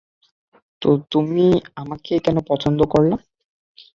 তো, তুমি আমাকেই কেন পছন্দ করলা?